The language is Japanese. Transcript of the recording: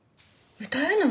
歌えるの？